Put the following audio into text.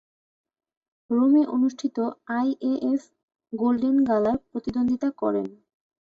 রোমে অনুষ্ঠিত IAAF golden গালায় প্রতিদ্বন্দ্বিতা করেন।